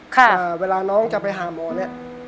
เวลาน้องจะไปหาหมอเนี่ย